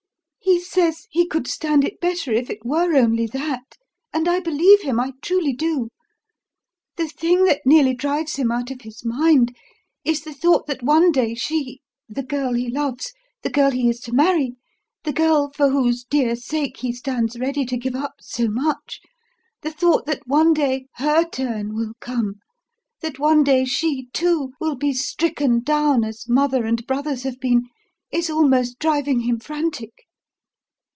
"He says he could stand it better if it were only that; and I believe him I truly do. The thing that nearly drives him out of his mind is the thought that one day she the girl he loves the girl he is to marry the girl for whose dear sake he stands ready to give up so much the thought that one day her turn will come, that one day she, too, will be stricken down as mother and brothers have been is almost driving him frantic."